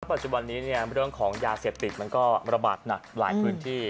ปัจจุบันนี้เนี่ยเรื่องของยาเสพติดมันก็ระบาดหนักหลายพื้นที่